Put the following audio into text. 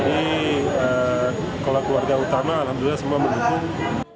jadi kalau keluarga utama alhamdulillah semua mendukung